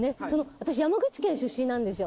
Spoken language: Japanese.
私山口県出身なんですよ。